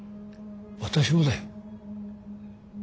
私もだよ。